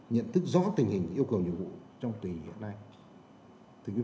nhận thức rõ tình hình yêu cầu nhiệm vụ trong tùy hiện nay